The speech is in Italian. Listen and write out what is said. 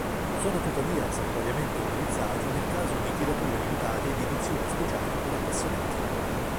Sono tuttavia saltuariamente utilizzati nel caso di tirature limitate di edizioni speciali per appassionati.